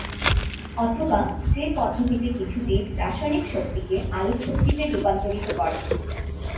অথবা, যে পদ্ধতিতে কিছু জীব রাসায়নিক শক্তিকে আলোক শক্তিতে রুপান্তরিত করে।